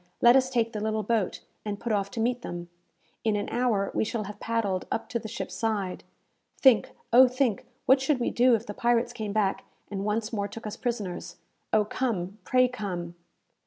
"Let us take the little boat, and put off to meet them. In an hour we shall have paddled up to the ship's side. Think, Oh think! what should we do if the pirates came back, and once more took us prisoners? Oh come, pray come!"